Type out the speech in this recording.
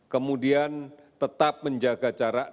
kemudian tetap menjaga jarak